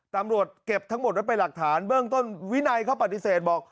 ตำรวจเก็บทั้งหมดไว้เป็นหลักฐานเบื้องต้นวินัยเขาปฏิเสธบอก